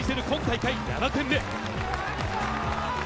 今大会７点目。